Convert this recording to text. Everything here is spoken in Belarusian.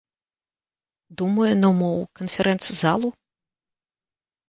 Думаю, ну мо ў канферэнц-залу.